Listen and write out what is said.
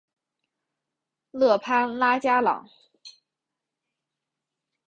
勒潘拉加朗。